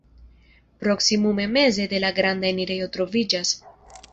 Proksimume meze la granda enirejo troviĝas.